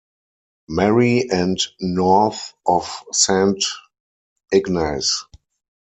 Marie and north of Saint Ignace.